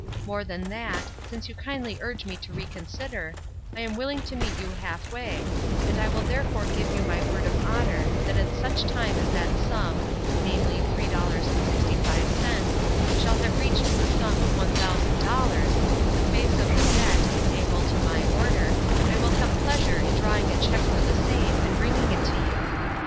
More than that, since you kindly urge me to reconsider, I am willing to meet you halfway, and I will THE "NEST EGG" 369 therefore give you my word of honor that at such time as that sum, namely, three dollars and sixty five cents, shall have reached the sum of one thousand dollars, the face of the debt, payable to my order, I will have pleasure in drawing a check for the same and bringing it to you.